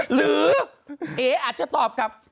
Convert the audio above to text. หรือเออาจจะตอบกับ